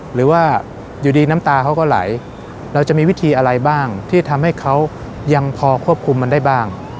หรือว่าอยู่ดีน้ำตาเขาก็ไหลเราจะมีวิธีอะไรบ้างที่ทำให้เขายังพอควบคุมมันได้บ้าง